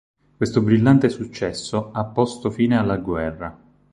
Questo brillante successo ha posto fine alla guerra.